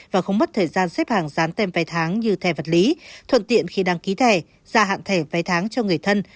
và không mất thời gian xếp hàng dán tem vé tháng như thẻ vật lý thuận tiện khi đăng ký thẻ gia hạn thẻ vé tháng cho người thân